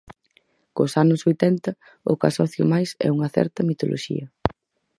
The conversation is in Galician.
Cos anos oitenta o que asocio máis é unha certa mitoloxía.